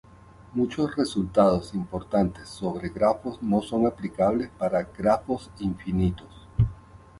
Muchos resultados importantes sobre grafos no son aplicables para "grafos infinitos".